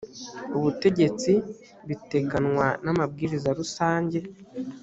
ubutegetsi biteganywa n amabwiriza rusange